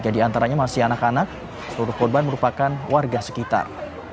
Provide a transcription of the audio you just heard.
tiga diantaranya masih anak anak seluruh korban merupakan warga sekitar